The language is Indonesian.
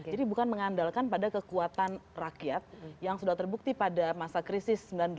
jadi bukan mengandalkan pada kekuatan rakyat yang sudah terbukti pada masa krisis sembilan puluh delapan